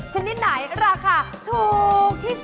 ชนิดไหนราคาถูกที่สุด